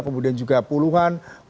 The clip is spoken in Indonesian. kemudian juga puluhan warga berpakaian terang